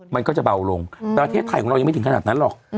มันก็จะเบาลงประเทศไทยของเรายังไม่ถึงขนาดนั้นหรอก